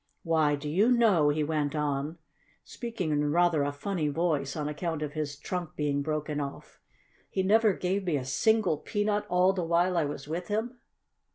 Why, do you know," he went on, speaking in rather a funny voice on account of his trunk being broken off, "he never gave me a single peanut all the while I was with him!"